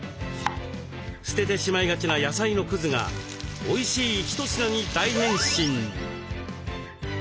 捨ててしまいがちな野菜のくずがおいしい一品に大変身。